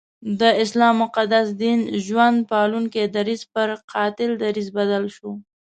د اسلام مقدس دین ژوند پالونکی درځ پر قاتل دریځ بدل شو.